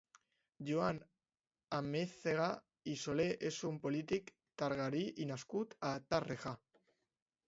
Joan Amèzaga i Solé és un polític targarí i nascut a Tàrrega.